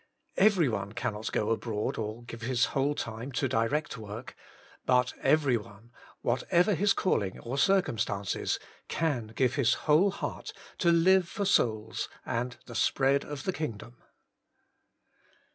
4. Every one cannot go abroad, or give his whole time to direct work ; but everyone, what ever his calling or circumstances, can give his whole heart to live for souls and the spread of the kingdom.